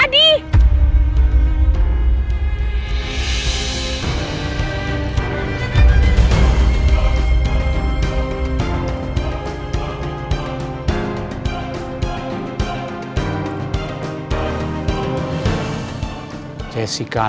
adi itu mungkin salah liat